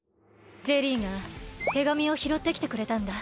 ジェリーが手紙をひろってきてくれたんだ。